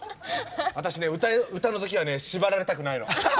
私ね歌の時は縛られたくないの。